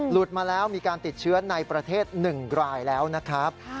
มาแล้วมีการติดเชื้อในประเทศ๑รายแล้วนะครับ